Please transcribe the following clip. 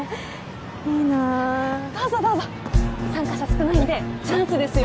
いいなあどうぞどうぞ参加者少ないんでチャンスですよ